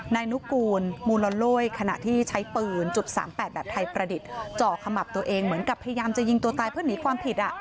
นายนุกูลมูลโลยขณะที่ใช้ปืนจุด๓๘แบบไทยประดิษฐ์จ่อขมับตัวเองเหมือนกับพยายามจะยิงตัวตายเพื่อหนีความผิด